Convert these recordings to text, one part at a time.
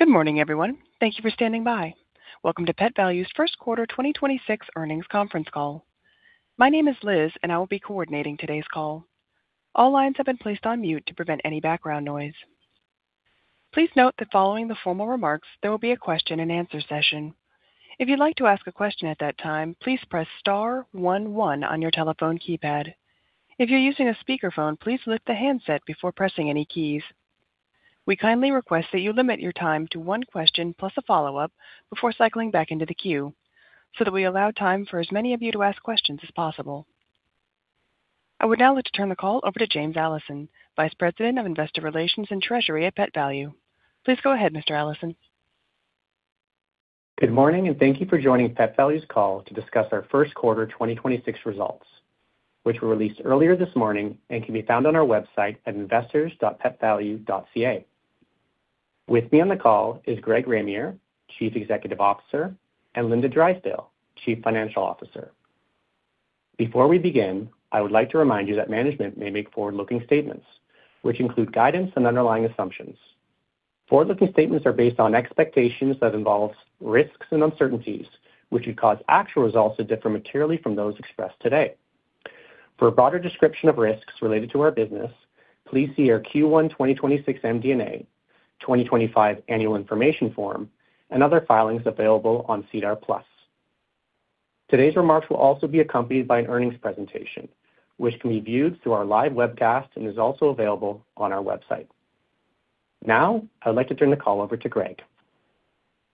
Good morning, everyone. Thank you for standing by. Welcome to Pet Valu's first quarter 2026 earnings conference call. My name is Liz. I will be coordinating today's call. All lines have been placed on mute to prevent any background noise. Please note that following the formal remarks, there will be a question-and-answer session. If you'd like to ask a question at that time, please press star one one on your telephone keypad. If you're using a speakerphone, please lift the handset before pressing any keys. We kindly request that you limit your time to one question plus a follow-up before cycling back into the queue, so that we allow time for as many of you to ask questions as possible. I would now like to turn the call over to James Allison, Vice President of Investor Relations and Treasury at Pet Valu. Please go ahead, Mr. Allison. Good morning, and thank you for joining Pet Valu's call to discuss our first quarter 2026 results, which were released earlier this morning and can be found on our website at investors.petvalu.ca. With me on the call is Greg Ramier, Chief Executive Officer, and Linda Drysdale, Chief Financial Officer. Before we begin, I would like to remind you that management may make forward-looking statements, which include guidance and underlying assumptions. Forward-looking statements are based on expectations that involve risks and uncertainties, which could cause actual results to differ materially from those expressed today. For a broader description of risks related to our business, please see our Q1 2026 MD&A, 2025 Annual Information Form, and other filings available on SEDAR+. Today's remarks will also be accompanied by an earnings presentation, which can be viewed through our live webcast and is also available on our website. Now, I would like to turn the call over to Greg.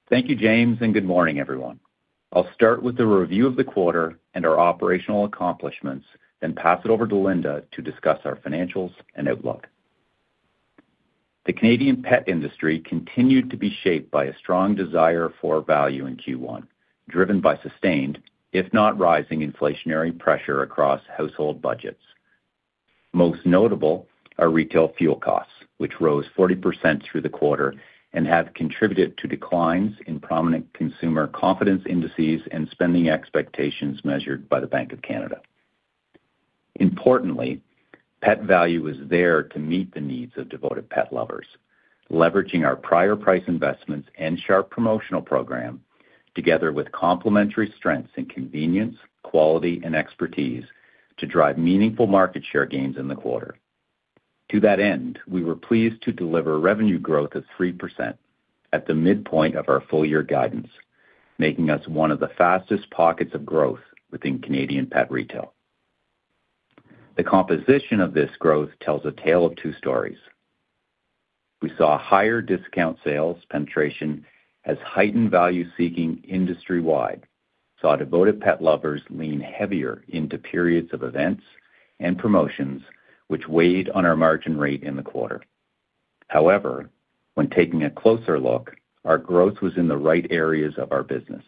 Thank you, James, and good morning, everyone. I'll start with the review of the quarter and our operational accomplishments, pass it over to Linda to discuss our financials and outlook. The Canadian pet industry continued to be shaped by a strong desire for value in Q1, driven by sustained, if not rising inflationary pressure across household budgets. Most notable are retail fuel costs, which rose 40% through the quarter and have contributed to declines in prominent consumer confidence indices and spending expectations measured by the Bank of Canada. Importantly, Pet Valu is there to meet the needs of devoted pet lovers, leveraging our prior price investments and sharp promotional program together with complementary strengths in convenience, quality, and expertise to drive meaningful market share gains in the quarter. To that end, we were pleased to deliver revenue growth of 3% at the midpoint of our full year guidance, making us one of the fastest pockets of growth within Canadian pet retail. The composition of this growth tells a tale of two stories. We saw higher discount sales penetration as heightened value-seeking industry-wide, saw devoted pet lovers lean heavier into periods of events and promotions, which weighed on our margin rate in the quarter. However, when taking a closer look, our growth was in the right areas of our business.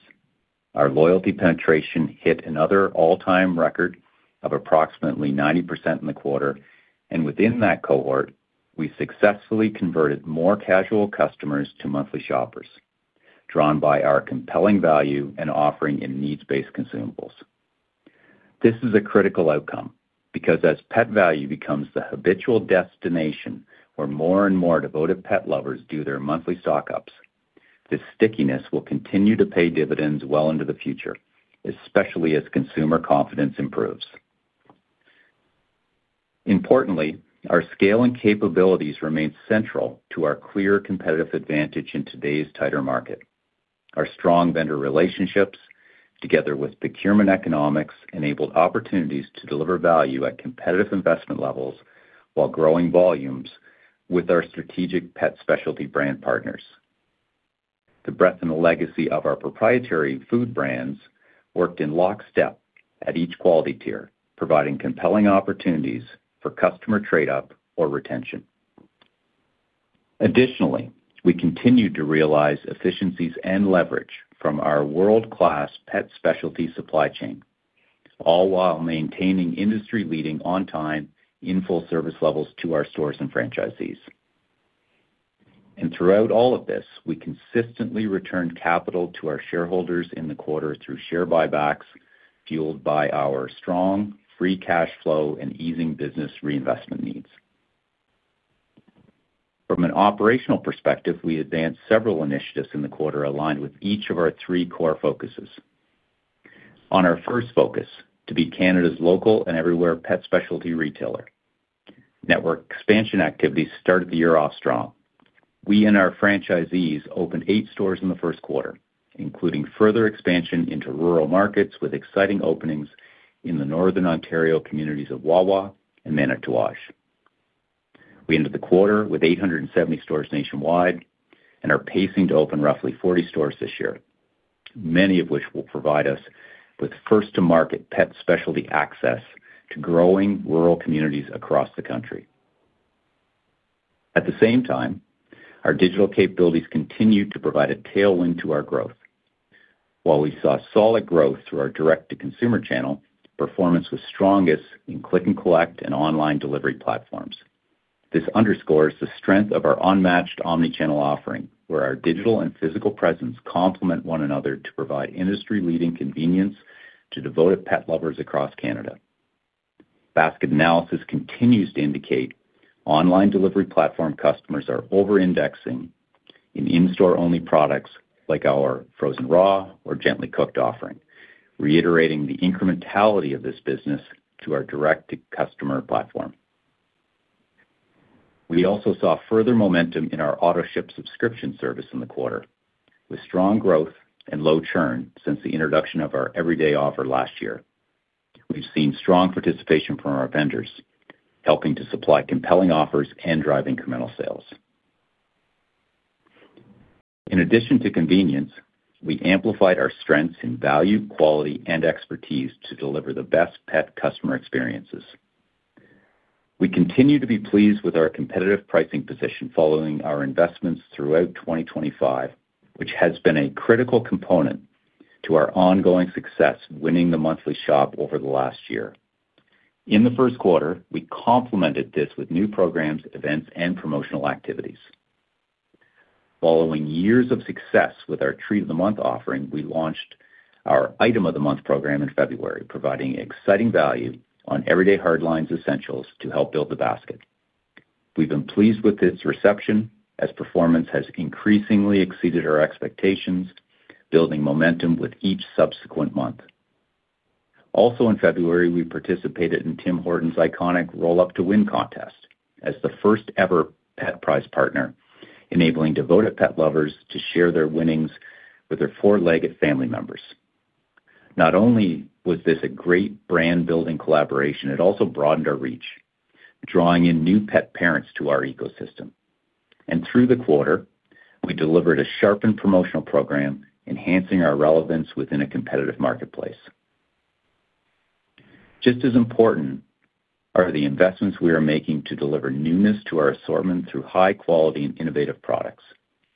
Our loyalty penetration hit another all-time record of approximately 90% in the quarter, and within that cohort, we successfully converted more casual customers to monthly shoppers, drawn by our compelling value and offering in needs-based consumables. This is a critical outcome because as Pet Valu becomes the habitual destination where more and more devoted pet lovers do their monthly stock-ups, this stickiness will continue to pay dividends well into the future, especially as consumer confidence improves. Importantly, our scale and capabilities remain central to our clear competitive advantage in today's tighter market. Our strong vendor relationships, together with procurement economics, enabled opportunities to deliver value at competitive investment levels while growing volumes with our strategic pet specialty brand partners. The breadth and the legacy of our proprietary food brands worked in lockstep at each quality tier, providing compelling opportunities for customer trade-up or retention. Additionally, we continued to realize efficiencies and leverage from our world-class pet specialty supply chain, all while maintaining industry-leading on-time in full service levels to our stores and franchisees. Throughout all of this, we consistently returned capital to our shareholders in the quarter through share buybacks, fueled by our strong free cash flow and easing business reinvestment needs. From an operational perspective, we advanced several initiatives in the quarter aligned with each of our three core focuses. On our first focus, to be Canada's local and everywhere pet specialty retailer, network expansion activities started the year off strong. We and our franchisees opened eight stores in the first quarter, including further expansion into rural markets with exciting openings in the Northern Ontario communities of Wawa and Manitouwadge. We ended the quarter with 870 stores nationwide and are pacing to open roughly 40 stores this year, many of which will provide us with first-to-market pet specialty access to growing rural communities across the country. At the same time, our digital capabilities continue to provide a tailwind to our growth. While we saw solid growth through our direct-to-consumer channel, performance was strongest in Click & Collect and online delivery platforms. This underscores the strength of our unmatched omnichannel offering, where our digital and physical presence complement one another to provide industry-leading convenience to devoted pet lovers across Canada. Basket analysis continues to indicate online delivery platform customers are over-indexing in in-store only products like our Frozen Raw or Gently Cooked offering, reiterating the incrementality of this business to our direct-to-customer platform. We also saw further momentum in our AutoShip subscription service in the quarter, with strong growth and low churn since the introduction of our everyday value last year. We've seen strong participation from our vendors, helping to supply compelling offers and drive incremental sales. In addition to convenience, we amplified our strengths in value, quality, and expertise to deliver the best pet customer experiences. We continue to be pleased with our competitive pricing position following our investments throughout 2025, which has been a critical component to our ongoing success winning the monthly shop over the last year. In the first quarter, we complemented this with new programs, events, and promotional activities. Following years of success with our Treat of the Month offering, we launched our Item of the Month program in February, providing exciting value on everyday hardlines essentials to help build the basket. We've been pleased with its reception, as performance has increasingly exceeded our expectations, building momentum with each subsequent month. In February, we participated in Tim Hortons iconic Roll Up To Win contest as the first-ever pet prize partner, enabling devoted pet lovers to share their winnings with their four-legged family members. Not only was this a great brand-building collaboration, it also broadened our reach, drawing in new pet parents to our ecosystem. Through the quarter, we delivered a sharpened promotional program, enhancing our relevance within a competitive marketplace. Just as important are the investments we are making to deliver newness to our assortment through high quality and innovative products.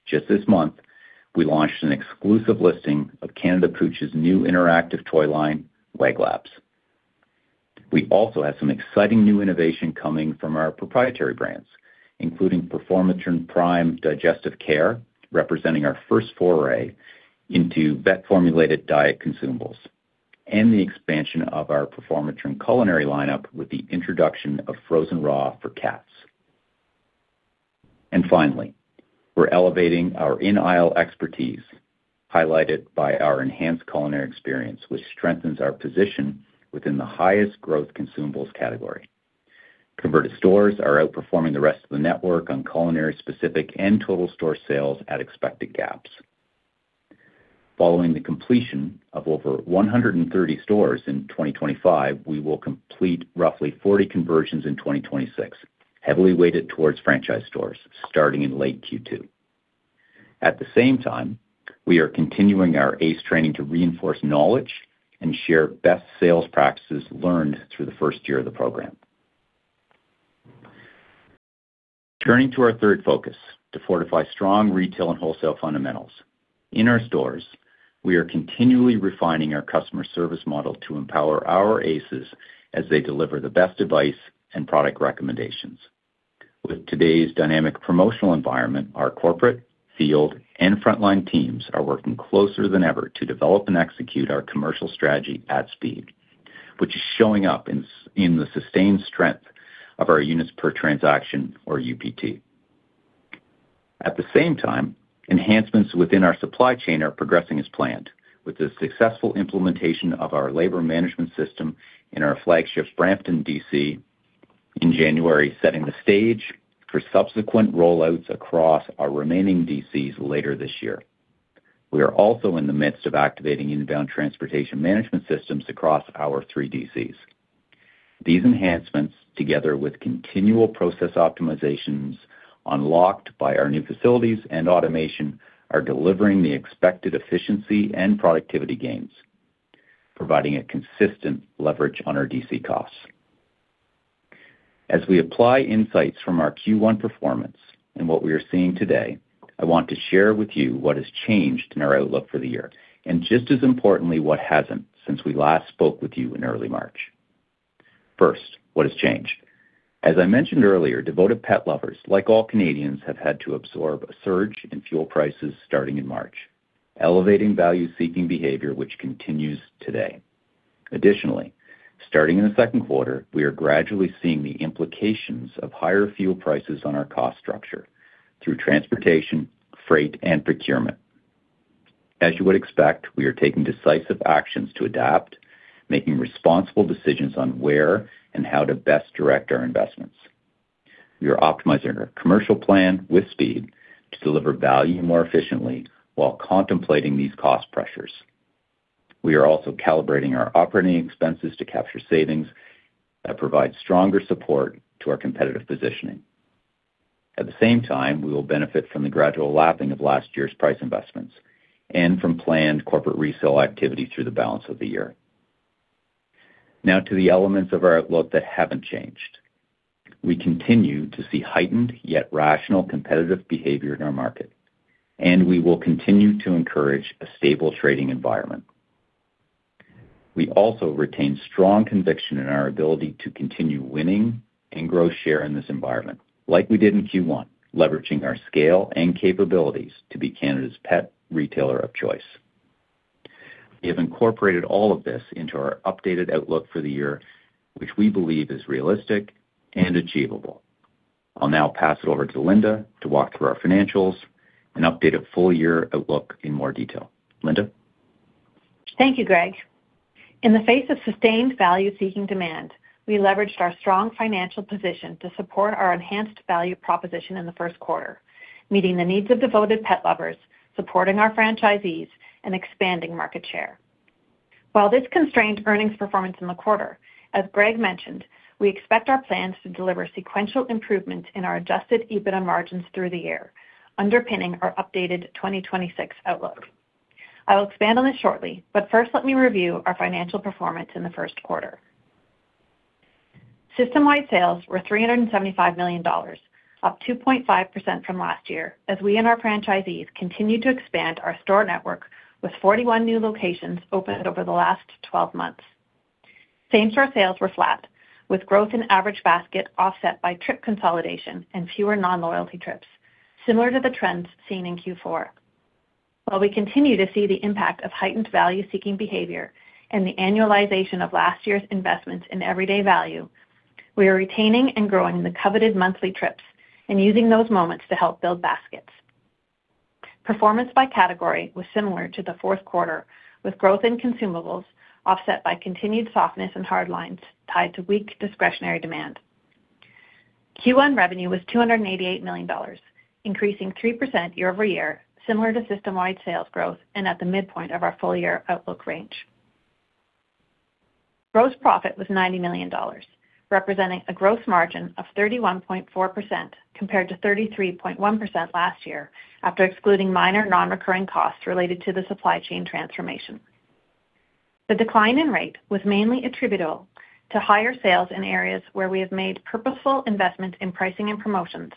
Just this month, we launched an exclusive listing of Canada Pooch's new interactive toy line, WAGLAB. We also have some exciting new innovation coming from our proprietary brands, including Performatrin Prime Digestion Support, representing our first foray into vet-formulated diet consumables, and the expansion of our Performatrin Culinary lineup with the introduction of Frozen Raw for Cats. Finally, we're elevating our in-aisle expertise, highlighted by our enhanced culinary experience, which strengthens our position within the highest growth consumables category. Converted stores are outperforming the rest of the network on culinary-specific and total store sales at expected gaps. Following the completion of over 130 stores in 2025, we will complete roughly 40 conversions in 2026, heavily weighted towards franchise stores starting in late Q2. At the same time, we are continuing our ACE training to reinforce knowledge and share best sales practices learned through the first year of the program. Turning to our third focus, to fortify strong retail and wholesale fundamentals. In our stores, we are continually refining our customer service model to empower our ACEs as they deliver the best advice and product recommendations. With today's dynamic promotional environment, our corporate, field, and frontline teams are working closer than ever to develop and execute our commercial strategy at speed, which is showing up in the sustained strength of our units per transaction, or UPT. At the same time, enhancements within our supply chain are progressing as planned, with the successful implementation of our labor management system in our flagship Brampton DC in January, setting the stage for subsequent rollouts across our remaining DCs later this year. We are also in the midst of activating inbound transportation management systems across our three DCs. These enhancements, together with continual process optimizations unlocked by our new facilities and automation, are delivering the expected efficiency and productivity gains, providing a consistent leverage on our DC costs. As we apply insights from our Q1 performance and what we are seeing today, I want to share with you what has changed in our outlook for the year, and just as importantly, what hasn't since we last spoke with you in early March. First, what has changed? As I mentioned earlier, devoted pet lovers, like all Canadians, have had to absorb a surge in fuel prices starting in March, elevating value-seeking behavior which continues today. Starting in the second quarter, we are gradually seeing the implications of higher fuel prices on our cost structure through transportation, freight, and procurement. As you would expect, we are taking decisive actions to adapt, making responsible decisions on where and how to best direct our investments. We are optimizing our commercial plan with speed to deliver value more efficiently while contemplating these cost pressures. We are also calibrating our operating expenses to capture savings that provide stronger support to our competitive positioning. At the same time, we will benefit from the gradual lapping of last year's price investments and from planned corporate resale activity through the balance of the year. Now to the elements of our outlook that haven't changed. We continue to see heightened yet rational competitive behavior in our market, and we will continue to encourage a stable trading environment. We also retain strong conviction in our ability to continue winning and grow share in this environment like we did in Q1, leveraging our scale and capabilities to be Canada's pet retailer of choice. We have incorporated all of this into our updated outlook for the year, which we believe is realistic and achievable. I'll now pass it over to Linda to walk through our financials and update a full year outlook in more detail. Linda? Thank you, Greg. In the face of sustained value-seeking demand, we leveraged our strong financial position to support our enhanced value proposition in the first quarter, meeting the needs of devoted pet lovers, supporting our franchisees, and expanding market share. While this constrained earnings performance in the quarter, as Greg mentioned, we expect our plans to deliver sequential improvement in our adjusted EBITDA margins through the year, underpinning our updated 2026 outlook. I will expand on this shortly, but first, let me review our financial performance in the first quarter. System-wide sales were 375 million dollars, up 2.5% from last year as we and our franchisees continued to expand our store network with 41 new locations opened over the last 12 months. Same-store sales were flat with growth in average basket offset by trip consolidation and fewer non-loyalty trips, similar to the trends seen in Q4. While we continue to see the impact of heightened value-seeking behavior and the annualization of last year's investments in everyday value, we are retaining and growing the coveted monthly trips and using those moments to help build baskets. Performance by category was similar to the fourth quarter, with growth in consumables offset by continued softness in hardlines tied to weak discretionary demand. Q1 revenue was 288 million dollars, increasing 3% year-over-year, similar to system-wide sales growth and at the midpoint of our full year outlook range. Gross profit was 90 million dollars, representing a gross margin of 31.4% compared to 33.1% last year after excluding minor non-recurring costs related to the supply chain transformation. The decline in rate was mainly attributable to higher sales in areas where we have made purposeful investments in pricing and promotions,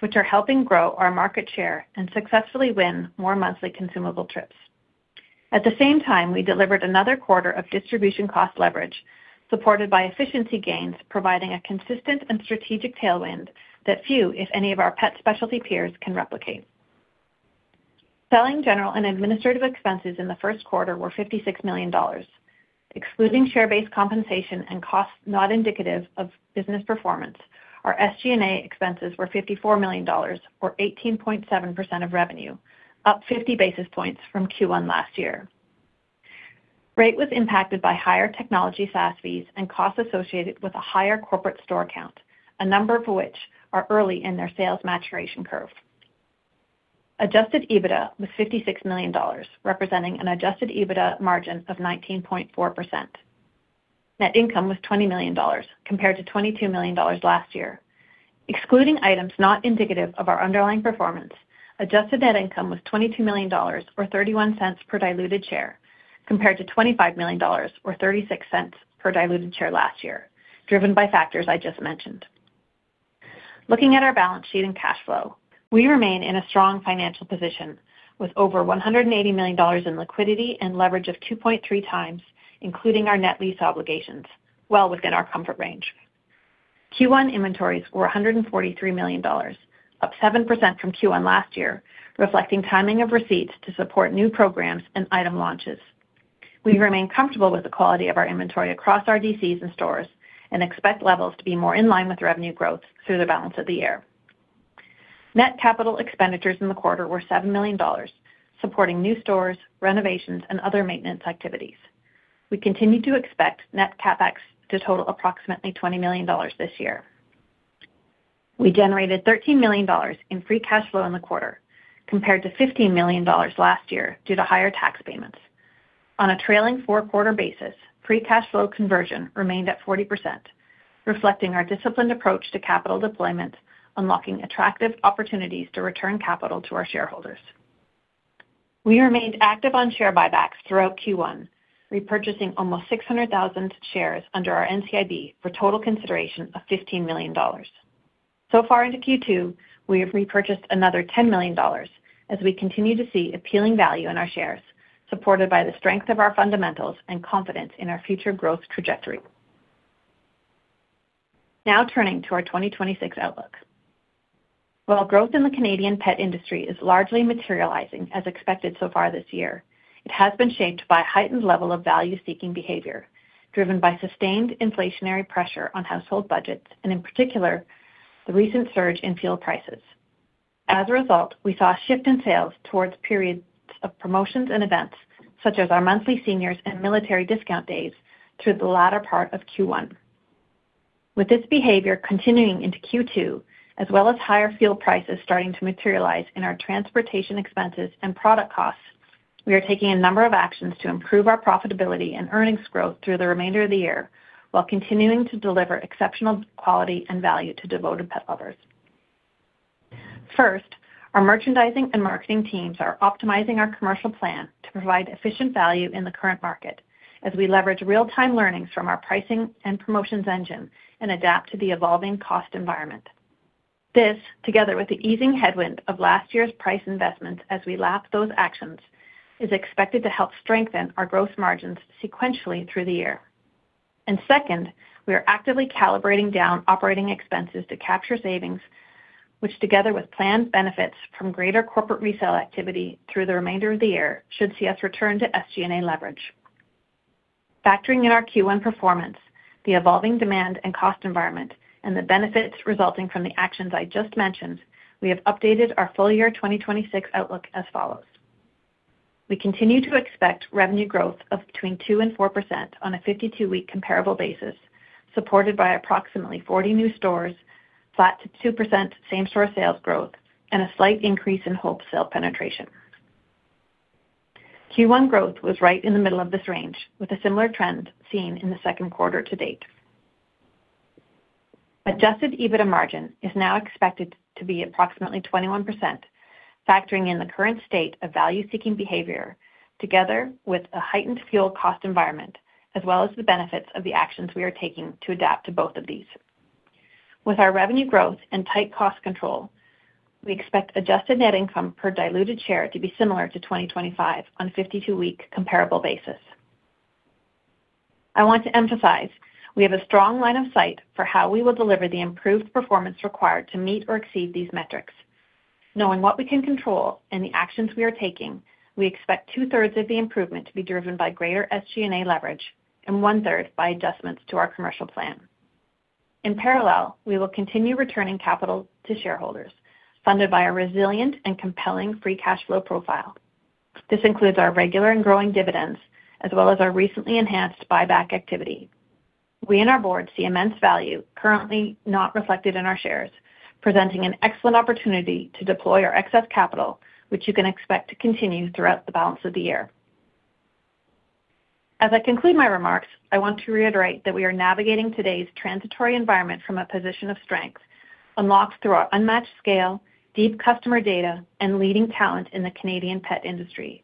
which are helping grow our market share and successfully win more monthly consumable trips. At the same time, we delivered another quarter of distribution cost leverage, supported by efficiency gains, providing a consistent and strategic tailwind that few, if any, of our pet specialty peers can replicate. Selling, general, and administrative expenses in the first quarter were 56 million dollars. Excluding share-based compensation and costs not indicative of business performance, our SG&A expenses were 54 million dollars or 18.7% of revenue, up 50 basis points from Q1 last year. Rate was impacted by higher technology SaaS fees and costs associated with a higher corporate store count, a number of which are early in their sales maturation curve. Adjusted EBITDA was 56 million dollars, representing an adjusted EBITDA margin of 19.4%. Net income was 20 million dollars compared to 22 million dollars last year. Excluding items not indicative of our underlying performance, adjusted net income was 22 million dollars or 0.31 per diluted share, compared to 25 million dollars or 0.36 per diluted share last year, driven by factors I just mentioned. Looking at our balance sheet and cash flow, we remain in a strong financial position with over 180 million dollars in liquidity and leverage of 2.3x, including our net lease obligations, well within our comfort range. Q1 inventories were 143 million dollars, up 7% from Q1 last year, reflecting timing of receipts to support new programs and item launches. We remain comfortable with the quality of our inventory across our DCs and stores and expect levels to be more in line with revenue growth through the balance of the year. Net capital expenditures in the quarter were 7 million dollars, supporting new stores, renovations, and other maintenance activities. We continue to expect net CapEx to total approximately 20 million dollars this year. We generated 13 million dollars in free cash flow in the quarter, compared to 15 million dollars last year due to higher tax payments. On a trailing four-quarter basis, free cash flow conversion remained at 40%, reflecting our disciplined approach to capital deployment, unlocking attractive opportunities to return capital to our shareholders. We remained active on share buybacks throughout Q1, repurchasing almost 600,000 shares under our NCIB for total consideration of 15 million dollars. So far into Q2, we have repurchased another 10 million dollars as we continue to see appealing value in our shares, supported by the strength of our fundamentals and confidence in our future growth trajectory. Now, turning to our 2026 outlook. While growth in the Canadian pet industry is largely materializing as expected so far this year, it has been shaped by a heightened level of value-seeking behavior driven by sustained inflationary pressure on household budgets and, in particular, the recent surge in fuel prices. As a result, we saw a shift in sales towards periods of promotions and events such as our monthly seniors and military discount days through the latter part of Q1. With this behavior continuing into Q2, as well as higher fuel prices starting to materialize in our transportation expenses and product costs, we are taking a number of actions to improve our profitability and earnings growth through the remainder of the year while continuing to deliver exceptional quality and value to devoted pet lovers. First, our merchandising and marketing teams are optimizing our commercial plan to provide efficient value in the current market as we leverage real-time learnings from our pricing and promotions engine and adapt to the evolving cost environment. This, together with the easing headwind of last year's price investments as we lap those actions, is expected to help strengthen our gross margins sequentially through the year. Second, we are actively calibrating down operating expenses to capture savings, which together with planned benefits from greater corporate resale activity through the remainder of the year, should see us return to SG&A leverage. Factoring in our Q1 performance, the evolving demand and cost environment, and the benefits resulting from the actions I just mentioned, we have updated our full year 2026 outlook as follows. We continue to expect revenue growth of between 2% and 4% on a 52-week comparable basis, supported by approximately 40 new stores, flat to 2% same-store sales growth and a slight increase in wholesale penetration. Q1 growth was right in the middle of this range with a similar trend seen in the second quarter to date. Adjusted EBITDA margin is now expected to be approximately 21%, factoring in the current state of value-seeking behavior, together with a heightened fuel cost environment, as well as the benefits of the actions we are taking to adapt to both of these. With our revenue growth and tight cost control, we expect adjusted net income per diluted share to be similar to 2025 on 52-week comparable basis. I want to emphasize, we have a strong line of sight for how we will deliver the improved performance required to meet or exceed these metrics. Knowing what we can control and the actions we are taking, we expect 2/3 of the improvement to be driven by greater SG&A leverage and 1/3 by adjustments to our commercial plan. In parallel, we will continue returning capital to shareholders, funded by a resilient and compelling free cash flow profile. This includes our regular and growing dividends, as well as our recently enhanced buyback activity. We and our board see immense value currently not reflected in our shares, presenting an excellent opportunity to deploy our excess capital, which you can expect to continue throughout the balance of the year. As I conclude my remarks, I want to reiterate that we are navigating today's transitory environment from a position of strength, unlocked through our unmatched scale, deep customer data, and leading talent in the Canadian pet industry.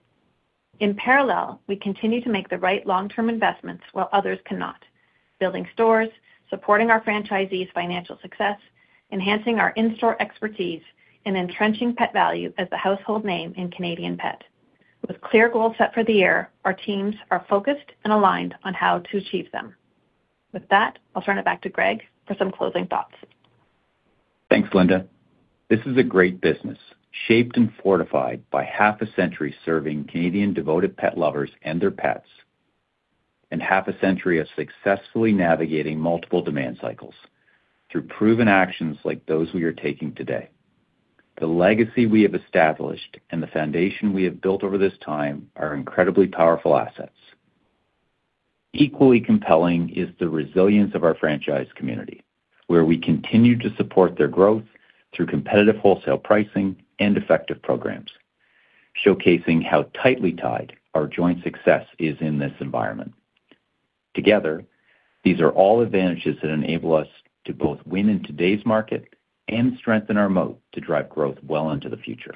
In parallel, we continue to make the right long-term investments while others cannot. Building stores, supporting our franchisees' financial success, enhancing our in-store expertise, and entrenching Pet Valu as the household name in Canadian pet. With clear goals set for the year, our teams are focused and aligned on how to achieve them. With that, I'll turn it back to Greg for some closing thoughts. Thanks, Linda. This is a great business, shaped and fortified by half a century serving Canadian devoted pet lovers and their pets, and half a century of successfully navigating multiple demand cycles through proven actions like those we are taking today. The legacy we have established and the foundation we have built over this time are incredibly powerful assets. Equally compelling is the resilience of our franchise community, where we continue to support their growth through competitive wholesale pricing and effective programs, showcasing how tightly tied our joint success is in this environment. Together, these are all advantages that enable us to both win in today's market and strengthen our moat to drive growth well into the future.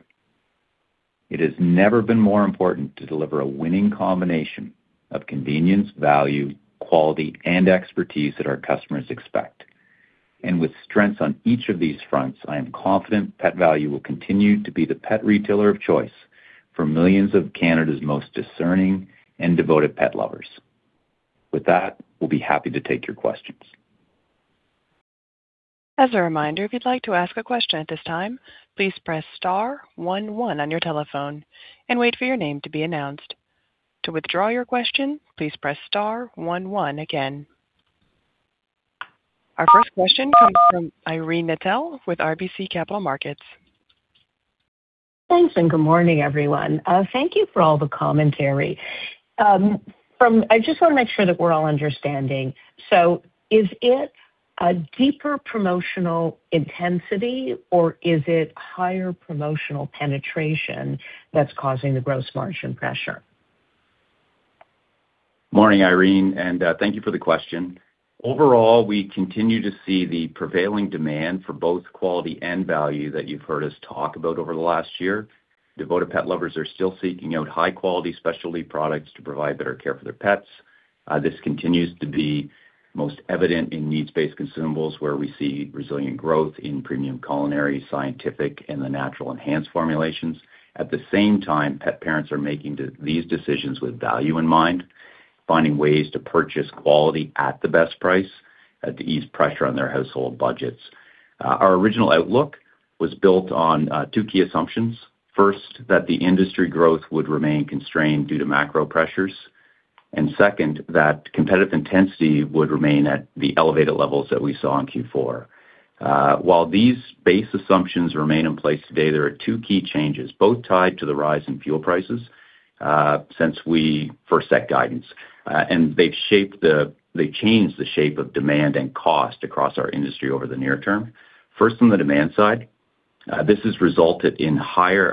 It has never been more important to deliver a winning combination of convenience, value, quality, and expertise that our customers expect. With strengths on each of these fronts, I am confident Pet Valu will continue to be the pet retailer of choice for millions of Canada's most discerning and devoted pet lovers. With that, we will be happy to take your questions. As a reminder, if you'd like to ask a question at this time, please press star one one on your telephone and wait for your name to be announced. To withdraw your question, please press star one one again. Our first question comes from Irene Nattel with RBC Capital Markets. Thanks, good morning, everyone. Thank you for all the commentary. I just want to make sure that we're all understanding. Is it a deeper promotional intensity or is it higher promotional penetration that's causing the gross margin pressure? Morning, Irene, thank you for the question. Overall, we continue to see the prevailing demand for both quality and value that you've heard us talk about over the last year. Devoted pet lovers are still seeking out high-quality specialty products to provide better care for their pets. This continues to be most evident in needs-based consumables, where we see resilient growth in Premium Culinary, Scientific Diets, and the Natural Balance enhanced formulations. At the same time, pet parents are making these decisions with value in mind, finding ways to purchase quality at the best price to ease pressure on their household budgets. Our original outlook was built on two key assumptions. First, that the industry growth would remain constrained due to macro pressures. Second, that competitive intensity would remain at the elevated levels that we saw in Q4. While these base assumptions remain in place today, there are two key changes, both tied to the rise in fuel prices since we first set guidance. They've changed the shape of demand and cost across our industry over the near term. First, on the demand side, this has resulted in a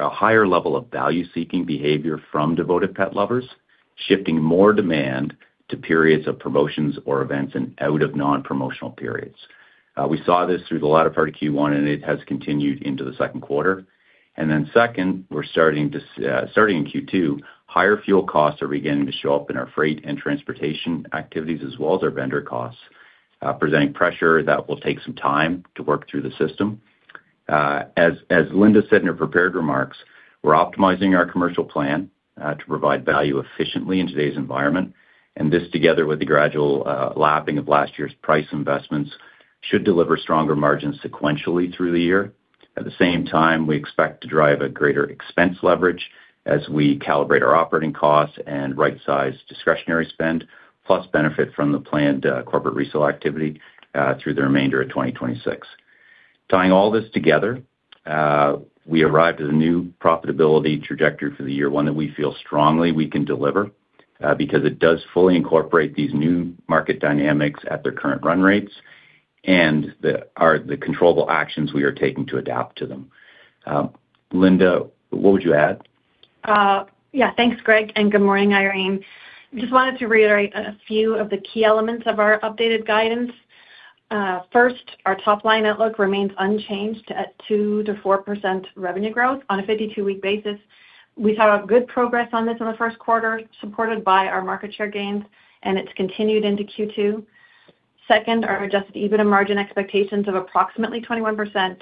higher level of value-seeking behavior from devoted pet lovers, shifting more demand to periods of promotions or events and out of non-promotional periods. We saw this through the latter part of Q1, it has continued into the second quarter. Second, we're starting in Q2, higher fuel costs are beginning to show up in our freight and transportation activities as well as our vendor costs, presenting pressure that will take some time to work through the system. As Linda said in her prepared remarks, we're optimizing our commercial plan, to provide value efficiently in today's environment. This together with the gradual lapping of last year's price investments, should deliver stronger margins sequentially through the year. At the same time, we expect to drive a greater expense leverage as we calibrate our operating costs and right-size discretionary spend, plus benefit from the planned corporate resale activity through the remainder of 2026. Tying all this together, we arrived at a new profitability trajectory for the year, one that we feel strongly we can deliver, because it does fully incorporate these new market dynamics at their current run rates and the controllable actions we are taking to adapt to them. Linda, what would you add? Yeah. Thanks, Greg, and good morning, Irene. Just wanted to reiterate a few of the key elements of our updated guidance. First, our top-line outlook remains unchanged at 2%-4% revenue growth on a 52-week basis. We've had good progress on this in the first quarter, supported by our market share gains, and it's continued into Q2. Second, our adjusted EBITDA margin expectations of approximately 21%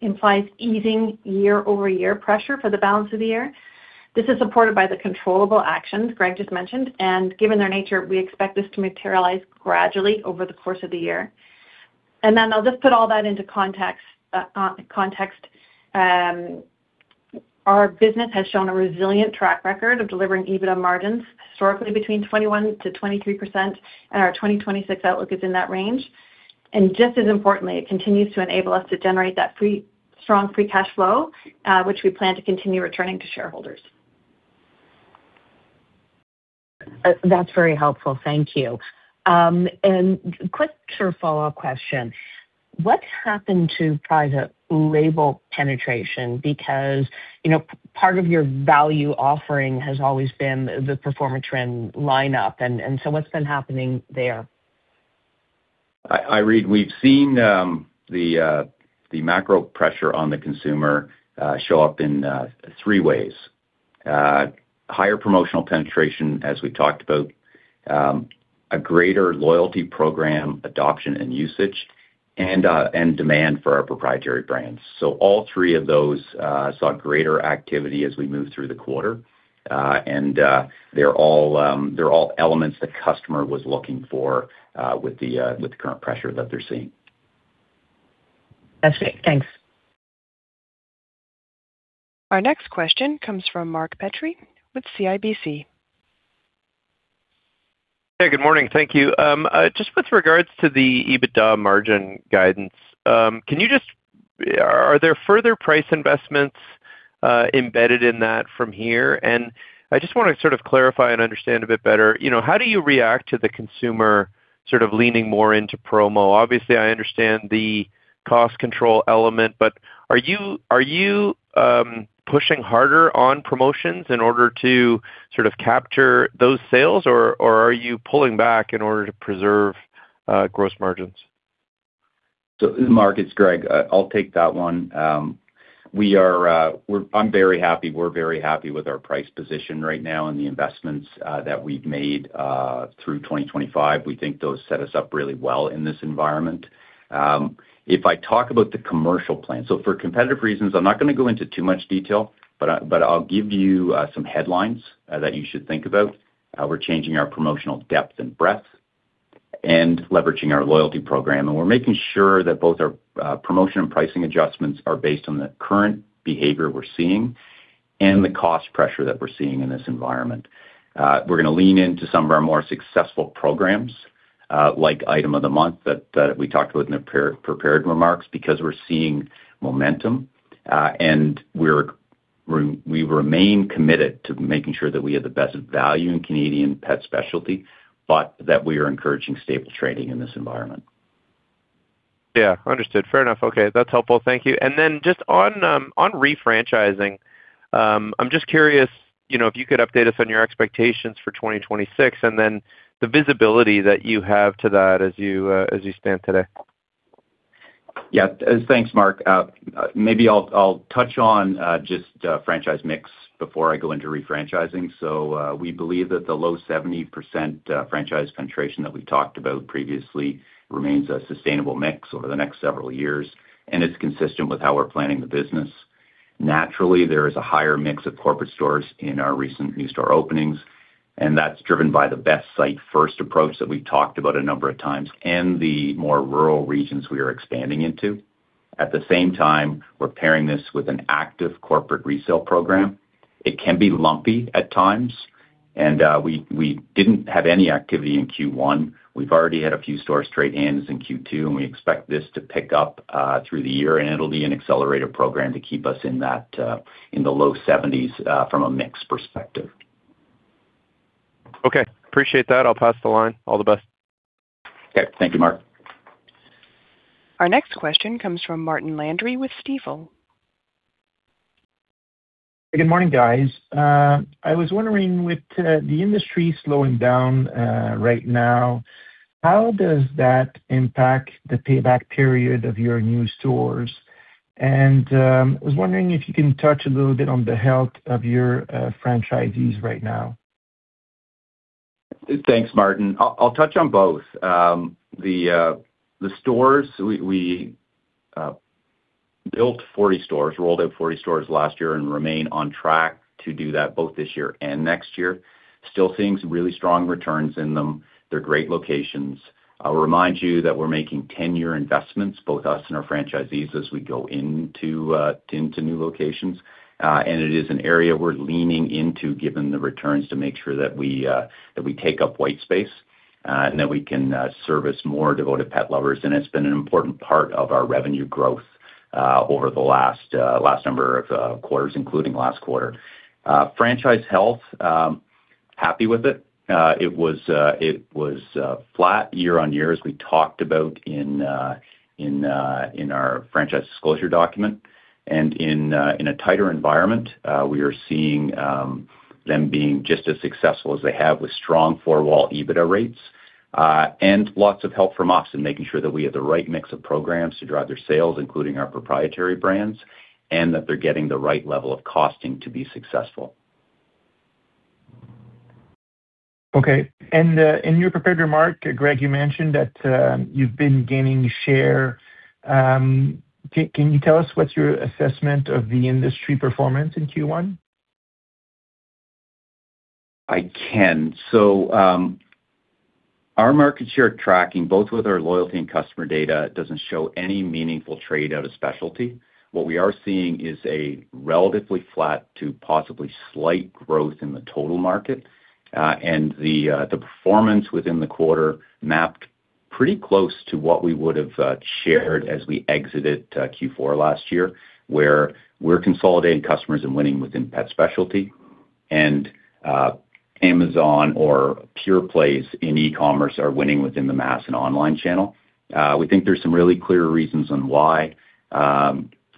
implies easing year-over-year pressure for the balance of the year. This is supported by the controllable actions Greg just mentioned. Given their nature, we expect this to materialize gradually over the course of the year. Then I'll just put all that into context. Our business has shown a resilient track record of delivering EBITDA margins, historically between 21%-23%, and our 2026 outlook is in that range. Just as importantly, it continues to enable us to generate that strong free cash flow, which we plan to continue returning to shareholders. That's very helpful. Thank you. Quicker follow-up question. What happened to private label penetration? Because, you know, part of your value offering has always been the Performatrin lineup. What's been happening there? Irene, we've seen the macro pressure on the consumer show up in three ways: higher promotional penetration, as we talked about, a greater loyalty program adoption and usage, and demand for our proprietary brands. All three of those saw greater activity as we moved through the quarter. They're all elements the customer was looking for with the current pressure that they're seeing. That's it. Thanks. Our next question comes from Mark Petrie with CIBC. Hey, good morning. Thank you. Just with regards to the EBITDA margin guidance, are there further price investments embedded in that from here? I just wanna sort of clarify and understand a bit better, you know, how do you react to the consumer sort of leaning more into promo? Obviously, I understand the cost control element. Are you pushing harder on promotions in order to sort of capture those sales, or are you pulling back in order to preserve gross margins? Mark, it's Greg. I'll take that one. We are-I'm very happy, we're very happy with our price position right now and the investments that we've made through 2025. We think those set us up really well in this environment. If I talk about the commercial plan, so for competitive reasons, I'm not gonna go into too much detail, but I, but I'll give you some headlines that you should think about. We're changing our promotional depth and breadth and leveraging our loyalty program. We're making sure that both our promotion and pricing adjustments are based on the current behavior we're seeing and the cost pressure that we're seeing in this environment. We're gonna lean into some of our more successful programs, like Item of the Month that we talked about in the pre-prepared remarks, because we're seeing momentum. We remain committed to making sure that we have the best value in Canadian pet specialty, but that we are encouraging stable trading in this environment. Yeah, understood. Fair enough. Okay. That's helpful. Thank you. Just on refranchising, I'm just curious, you know, if you could update us on your expectations for 2026, and then the visibility that you have to that as you stand today. Yeah. Thanks, Mark. Maybe I'll touch on franchise mix before I go into refranchising. We believe that the low 70% franchise penetration that we talked about previously remains a sustainable mix over the next several years, and it's consistent with how we're planning the business. Naturally, there is a higher mix of corporate stores in our recent new store openings, and that's driven by the best site first approach that we've talked about a number of times and the more rural regions we are expanding into. At the same time, we're pairing this with an active corporate resale program. It can be lumpy at times, and we didn't have any activity in Q1. We've already had a few stores trade hands in Q2, and we expect this to pick up through the year, and it'll be an accelerated program to keep us in that, in the low 70%, from a mix perspective. Okay. Appreciate that. I'll pass the line. All the best. Okay. Thank you, Mark. Our next question comes from Martin Landry with Stifel. Good morning, guys. I was wondering, with the industry slowing down right now, how does that impact the payback period of your new stores? I was wondering if you can touch a little bit on the health of your franchisees right now? Thanks, Martin. I'll touch on both. The stores, we built 40 stores, rolled out 40 stores last year, and remain on track to do that both this year and next year. Still seeing some really strong returns in them. They're great locations. I'll remind you that we're making 10-year investments, both us and our franchisees, as we go into new locations. It is an area we're leaning into given the returns to make sure that we take up white space and that we can service more devoted pet lovers. It's been an important part of our revenue growth over the last number of quarters, including last quarter. Franchise health, happy with it. It was flat year-over-year as we talked about in our franchise disclosure document. In a tighter environment, we are seeing them being just as successful as they have with strong four-wall EBITDA rates, and lots of help from us in making sure that we have the right mix of programs to drive their sales, including our proprietary brands, and that they're getting the right level of costing to be successful. Okay. In your prepared remark, Greg, you mentioned that, you've been gaining share. Can you tell us what's your assessment of the industry performance in Q1? I can. Our market share tracking, both with our loyalty and customer data, doesn't show any meaningful trade out of specialty. What we are seeing is a relatively flat to possibly slight growth in the total market. The performance within the quarter mapped pretty close to what we would have shared as we exited Q4 last year, where we're consolidating customers and winning within pet specialty, and Amazon or pure plays in e-commerce are winning within the mass and online channel. We think there's some really clear reasons on why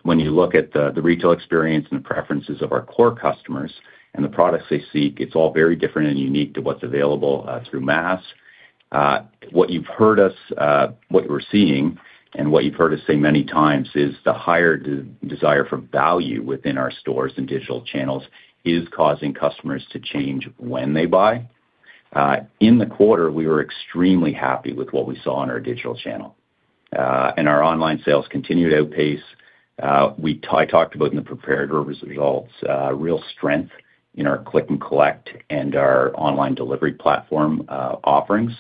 when you look at the retail experience and the preferences of our core customers and the products they seek, it's all very different and unique to what's available through mass. What you've heard us, what you are seeing and what you've heard us say many times is the higher desire for value within our stores and digital channels is causing customers to change when they buy. In the quarter, we were extremely happy with what we saw on our digital channel. Our online sales continued to outpace, I talked about in the prepared results, real strength in our Click & Collect and our online delivery platform, offerings,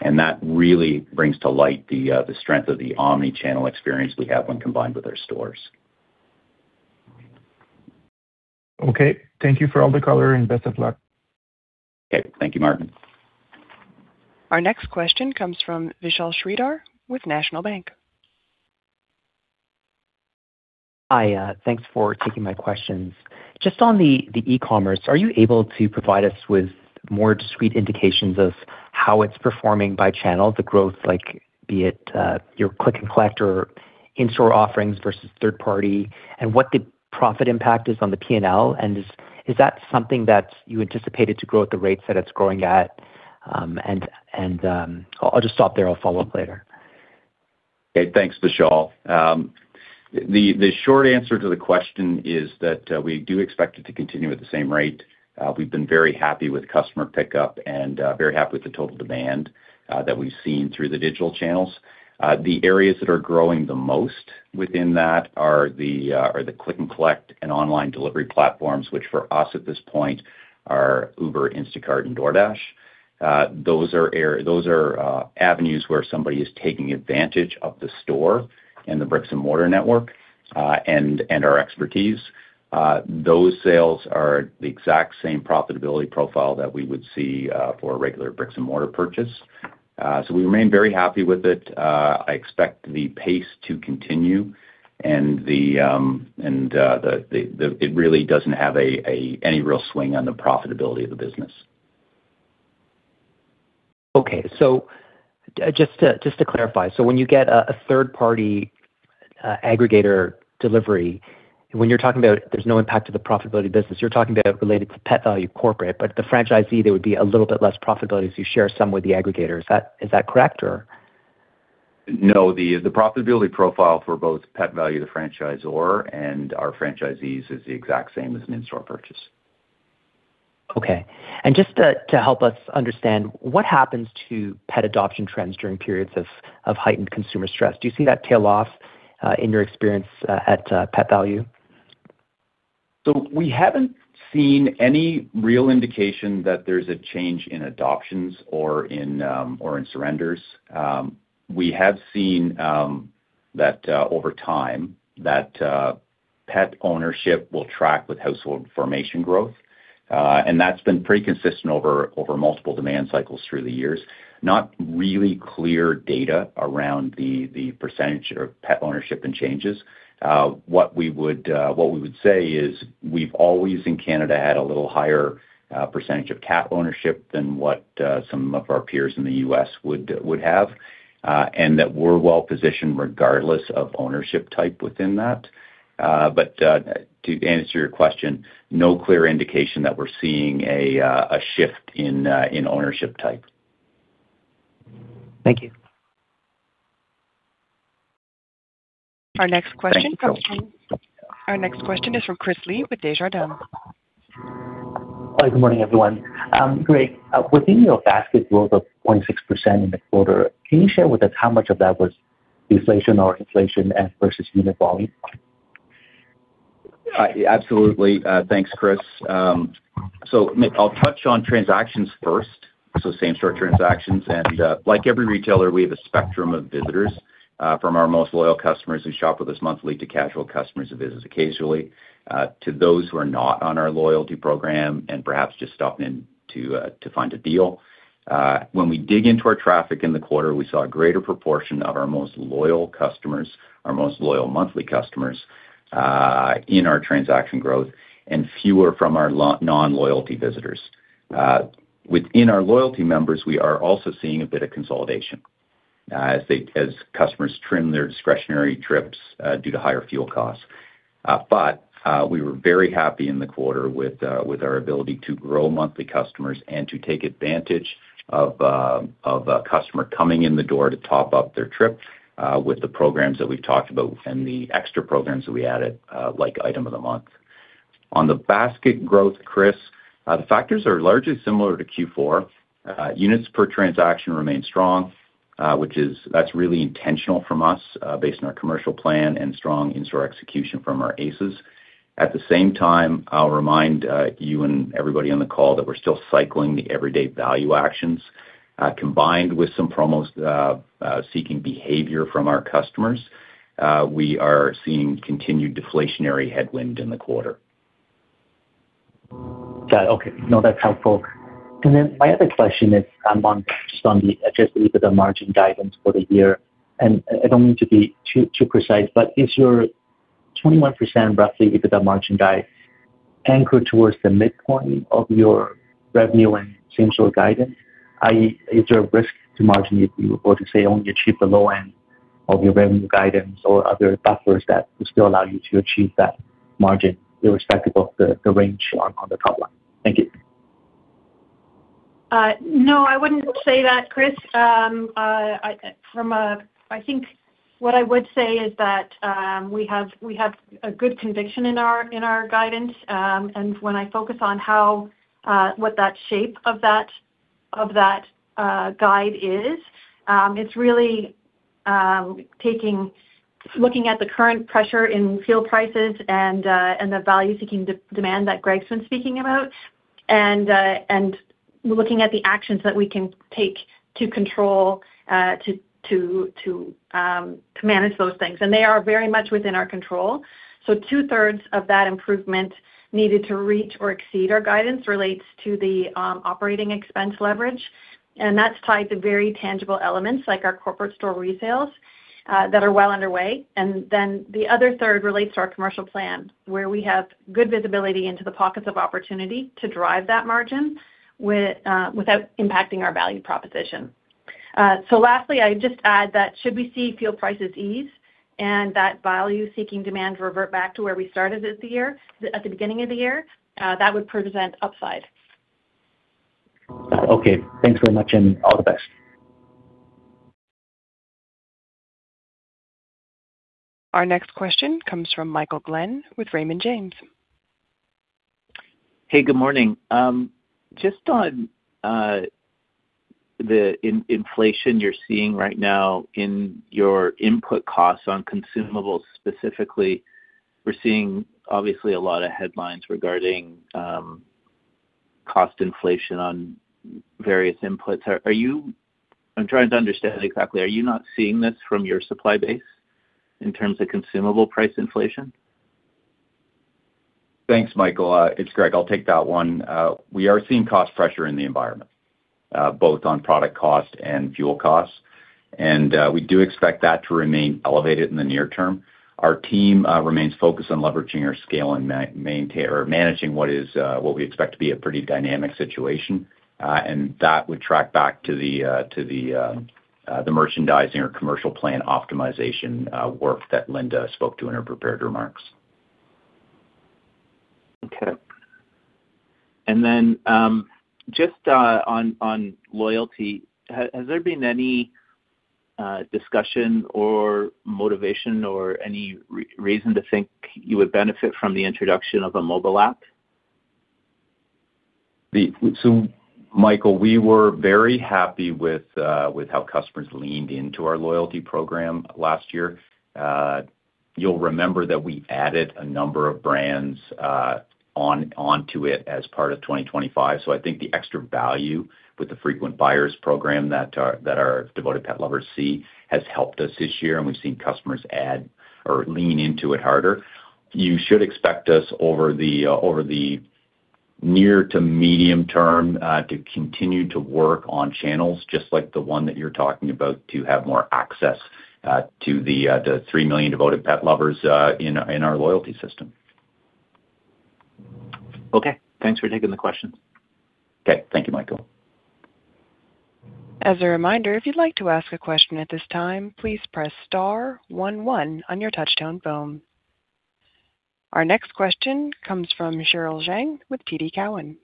and that really brings to light the strength of the omnichannel experience we have when combined with our stores. Okay. Thank you for all the color, and best of luck. Okay. Thank you, Martin. Our next question comes from Vishal Shreedhar with National Bank. Hi, thanks for taking my questions. Just on the e-commerce, are you able to provide us with more discrete indications of how it's performing by channel, the growth, like, be it your Click & Collect or in-store offerings versus third party, and what the profit impact is on the P&L? Is that something that you anticipated to grow at the rates that it's growing at? I'll just stop there. I'll follow up later. Okay. Thanks, Vishal. The short answer to the question is that we do expect it to continue at the same rate. We've been very happy with customer pickup and very happy with the total demand that we've seen through the digital channels. The areas that are growing the most within that are the Click & Collect and online delivery platforms, which for us at this point are Uber, Instacart and DoorDash. Those are avenues where somebody is taking advantage of the store and the bricks and mortar network and our expertise. Those sales are the exact same profitability profile that we would see for a regular bricks and mortar purchase. We remain very happy with it. I expect the pace to continue and it really doesn't have any real swing on the profitability of the business. Just to clarify. When you get a third party aggregator delivery, when you're talking about there's no impact to the profitability business, you're talking about related to Pet Valu corporate, but the franchisee, there would be a little bit less profitability so you share some with the aggregator. Is that, is that correct or? No. The profitability profile for both Pet Valu, the franchisor, and our franchisees is the exact same as an in-store purchase. Okay. Just to help us understand, what happens to pet adoption trends during periods of heightened consumer stress? Do you see that tail off in your experience at Pet Valu? We haven't seen any real indication that there's a change in adoptions or in surrenders. We have seen that, over time that, pet ownership will track with household formation growth. That's been pretty consistent over multiple demand cycles through the years. Not really clear data around the percentage of pet ownership and changes. What we would say is we've always in Canada had a little higher percentage of cat ownership than what some of our peers in the U.S. would have. That we're well-positioned regardless of ownership type within that. To answer your question, no clear indication that we're seeing a shift in ownership type. Thank you. Our next question comes from- Thank you. Our next question is from Chris Li with Desjardins. Hi, good morning, everyone. Greg, within your basket growth of 0.6% in the quarter, can you share with us how much of that was deflation or inflation and versus unit volume? Absolutely. Thanks, Chris. I'll touch on transactions first, same-store transactions. Like every retailer, we have a spectrum of visitors, from our most loyal customers who shop with us monthly to casual customers who visit occasionally, to those who are not on our loyalty program and perhaps just stopping in to find a deal. When we dig into our traffic in the quarter, we saw a greater proportion of our most loyal customers, our most loyal monthly customers, in our transaction growth, and fewer from our non-loyalty visitors. Within our loyalty members, we are also seeing a bit of consolidation, as customers trim their discretionary trips due to higher fuel costs. We were very happy in the quarter with our ability to grow monthly customers and to take advantage of a customer coming in the door to top up their trip with the programs that we've talked about and the extra programs that we added, like Item of the Month. On the basket growth, Chris, the factors are largely similar to Q4. Units per transaction remain strong, which is that's really intentional from us, based on our commercial plan and strong in-store execution from our ACEs. At the same time, I'll remind you and everybody on the call that we're still cycling the everyday value actions. Combined with some promo-seeking behavior from our customers, we are seeing continued deflationary headwind in the quarter. Got it. Okay. No, that's helpful. My other question is on the adjusted EBITDA margin guidance for the year. I don't mean to be too precise, but is your 21% roughly EBITDA margin guide anchored towards the midpoint of your revenue and same-store guidance? Is there a risk to margin if you were to, say, only achieve the low end of your revenue guidance or other buffers that would still allow you to achieve that margin, irrespective of the range on the top line? Thank you. No, I wouldn't say that, Chris. I think what I would say is that we have a good conviction in our guidance. When I focus on how what that shape of that guide is, it's really taking, looking at the current pressure in fuel prices and the value-seeking demand that Greg's been speaking about, and looking at the actions that we can take to control, to manage those things, and they are very much within our control. 2/3 of that improvement needed to reach or exceed our guidance relates to the operating expense leverage, and that's tied to very tangible elements like our corporate store resales that are well underway. The other 1/3 relates to our commercial plan, where we have good visibility into the pockets of opportunity to drive that margin without impacting our value proposition. Lastly, I'd just add that should we see fuel prices ease and that value-seeking demand revert back to where we started at the beginning of the year, that would present upside. Okay. Thanks very much, and all the best. Our next question comes from Michael Glen with Raymond James. Hey, good morning. Just on the inflation you're seeing right now in your input costs on consumables specifically, we're seeing obviously a lot of headlines regarding cost inflation on various inputs. I'm trying to understand exactly, are you not seeing this from your supply base in terms of consumable price inflation? Thanks, Michael. It's Greg. I'll take that one. We are seeing cost pressure in the environment, both on product cost and fuel costs. We do expect that to remain elevated in the near term. Our team remains focused on leveraging our scale and maintain, or managing what is what we expect to be a pretty dynamic situation. That would track back to the to the merchandising or commercial plan optimization work that Linda spoke to in her prepared remarks. Okay. Just on loyalty, has there been any discussion or motivation or any reason to think you would benefit from the introduction of a mobile app? Michael, we were very happy with how customers leaned into our loyalty program last year. You'll remember that we added a number of brands onto it as part of 2025. I think the extra value with the Frequent Buyers program that our devoted pet lovers see has helped us this year, and we've seen customers add or lean into it harder. You should expect us over the near to medium term to continue to work on channels just like the one that you're talking about to have more access to the 3 million devoted pet lovers in our loyalty system. Okay. Thanks for taking the question. Okay. Thank you, Michael. Our next question comes from Cheryl Zhang with TD Cowen.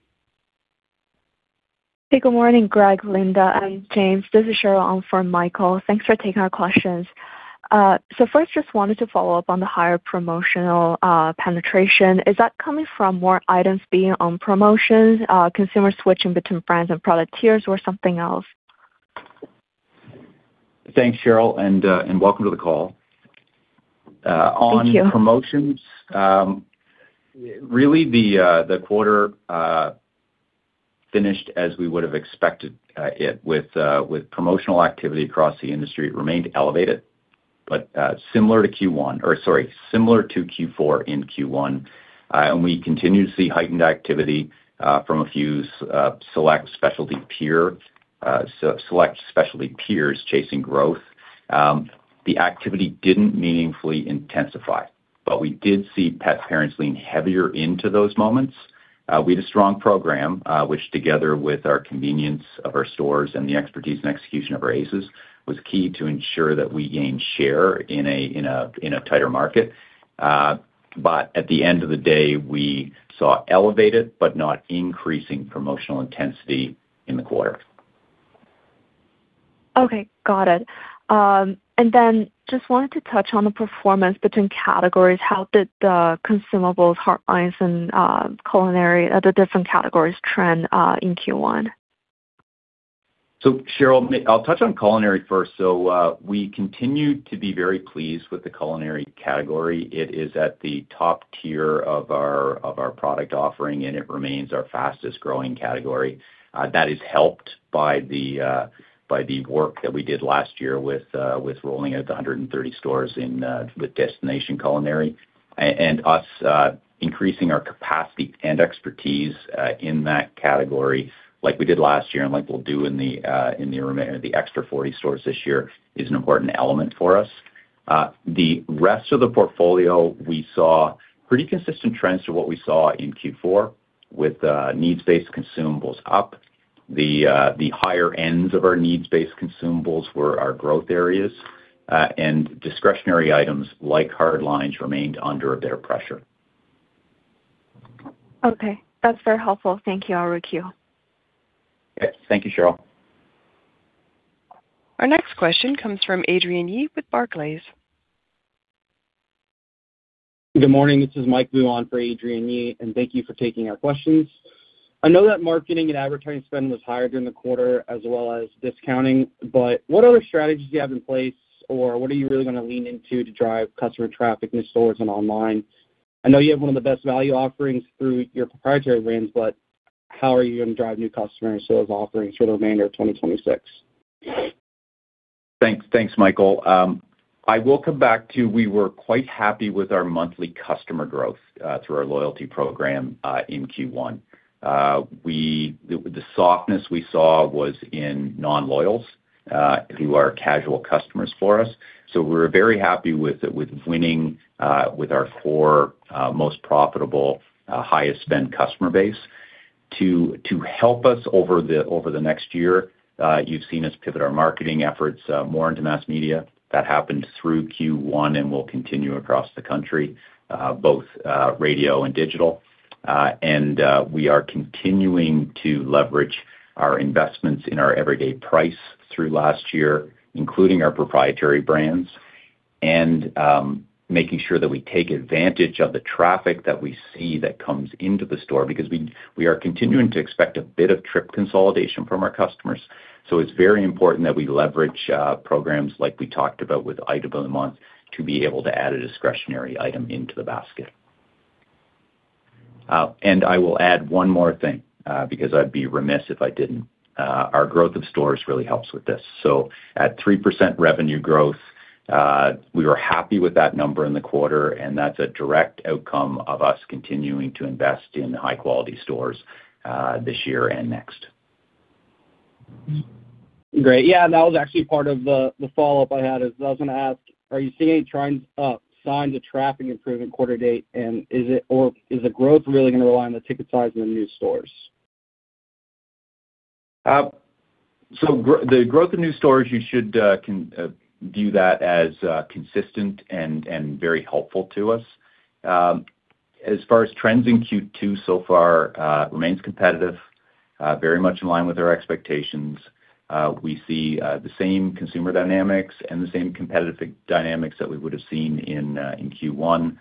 Hey, good morning, Greg, Linda, and James. This is Cheryl on for Michael. Thanks for taking our questions. First, just wanted to follow up on the higher promotional penetration. Is that coming from more items being on promotions, consumer switching between brands and product tiers, or something else? Thanks, Cheryl, and welcome to the call. Thank you. On promotions, really, the quarter finished as we would've expected it, with promotional activity across the industry remained elevated, but similar to Q4 in Q1. We continue to see heightened activity from a few select specialty peers chasing growth. The activity didn't meaningfully intensify, but we did see pet parents lean heavier into those moments. We had a strong program, which together with, our convenience of our stores and the expertise and execution of our ACEs was key to ensure that we gain share in a tighter market. At the end of the day, we saw elevated but not increasing promotional intensity in the quarter. Okay, got it. Just wanted to touch on the performance between categories. How did the consumables, hardlines, and culinary, the different categories, trend in Q1? Cheryl, I'll touch on culinary first. We continue to be very pleased with the culinary category. It is at the top tier of our, of our product offering, and it remains our fastest-growing category. That is helped by the, by the work that we did last year with rolling out the 130 stores in with destination culinary. Us increasing our capacity and expertise in that category like we did last year and like we'll do in the extra 40 stores this year is an important element for us. The rest of the portfolio, we saw pretty consistent trends to what we saw in Q4 with needs-based consumables up. The, the higher ends of our needs-based consumables were our growth areas, and discretionary items like hardlines remained under a bit of pressure. Okay, that's very helpful. Thank you. I'll requeue. Okay. Thank you, Cheryl. Our next question comes from Adrienne Yih with Barclays. Good morning. This is Michael on for Adrienne Yih. Thank you for taking our questions. I know that marketing and advertising spend was higher during the quarter, as well as discounting. What other strategies do you have in place, or what are you really gonna lean into to drive customer traffic in the stores and online? I know you have one of the best value offerings through your proprietary brands. How are you gonna drive new customers sales offerings for the remainder of 2026? Thanks. Thanks, Michael. I will come back to you. We were quite happy with our monthly customer growth through our loyalty program in Q1. The softness we saw was in non-loyals, who are casual customers for us. We're very happy with winning with our core, most profitable, highest spend customer base. To help us over the next year, you've seen us pivot our marketing efforts more into mass media. That happened through Q1 and will continue across the country, both radio and digital. We are continuing to leverage our investments in our everyday value through last year, including our proprietary brands, and making sure that we take advantage of the traffic that we see that comes into the store because we are continuing to expect a bit of trip consolidation from our customers. It's very important that we leverage programs like we talked about with Item of the Month, to be able to add a discretionary item into the basket. I will add one more thing, because I'd be remiss if I didn't. Our growth of stores really helps with this. At 3% revenue growth, we were happy with that number in the quarter, and that's a direct outcome of us continuing to invest in high-quality stores this year and next. Great. Yeah. That was actually part of the follow-up I had is I was gonna ask, are you seeing any trends, signs of traffic improvement quarter to date, and is it, or is the growth really gonna rely on the ticket size in the new stores? The growth of new stores, you should view that as consistent and very helpful to us. As far as trends in Q2 so far, remains competitive, very much in line with our expectations. We see the same consumer dynamics and the same competitive dynamics that we would have seen in Q1,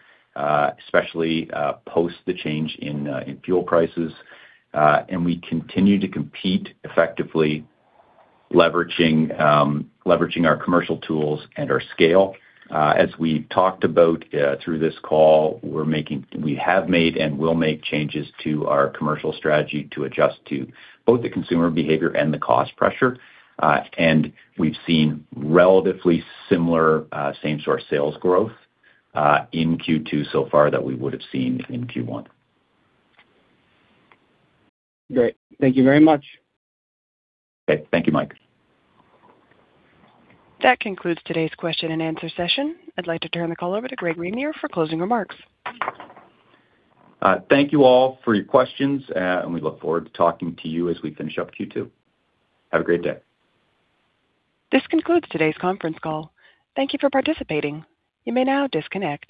especially post the change in fuel prices. We continue to compete effectively, leveraging our commercial tools and our scale. As we talked about through this call, we have made and will make changes to our commercial strategy to adjust to both the consumer behavior and the cost pressure. We've seen relatively similar same-store sales growth in Q2 so far that we would have seen in Q1. Great. Thank you very much. Okay. Thank you, Mike. That concludes today's question and answer session. I'd like to turn the call over to Greg Ramier for closing remarks. Thank you all for your questions. We look forward to talking to you as we finish up Q2. Have a great day. This concludes today's conference call. Thank you for participating. You may now disconnect.